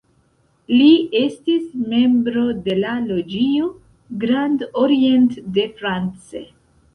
Li estis membro de la loĝio "Grand Orient de France".